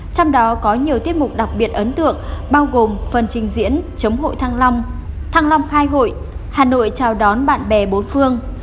trong đó có nhiều tiết mục đặc biệt ấn tượng bao gồm phần trình diễn chống hội thăng long thăng long khai hội hà nội chào đón bạn bè bốn phương